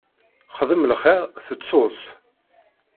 Xdem lxiṛ, tettuḍ-t.